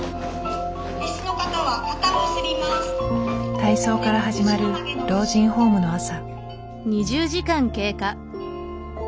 体操から始まる老人ホームの朝。